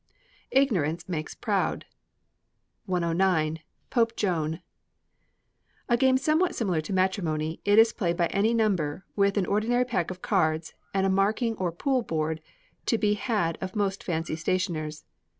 [IGNORANCE MAKES PROUD.] 109. Pope Joan. A game somewhat similar to Matrimony. It is played by any number, with an ordinary pack of cards, and a marking or pool board, to be had of most fancy stationers.